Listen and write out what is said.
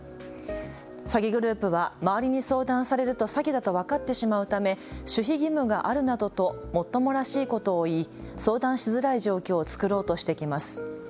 詐欺グループは周りに相談されると詐欺だと分かってしまうため守秘義務があるなどともっともらしいことを言い相談しづらい状況を作ろうとしてきます。